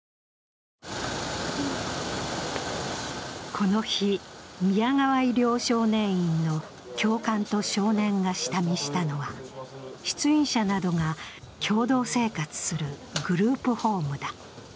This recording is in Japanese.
この日、宮川医療少年院の教官と少年が下見したのは出院者などが共同生活するグループホームだ。